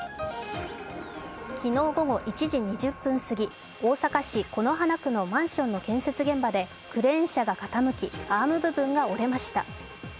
昨日午後１時２０分過ぎ、大阪市此花区のマンションの建設現場でクレーン車が傾き、アーム部分が折れました。